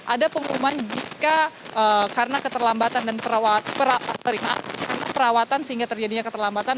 ada pengumuman jika karena keterlambatan dan perawatan sehingga terjadinya keterlambatan